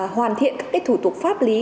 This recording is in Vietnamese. hoàn thiện các cái thủ tục pháp lý